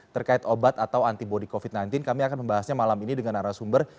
terkait obat atau antibody covid sembilan belas kami akan membahasnya malam ini dengan arah sumber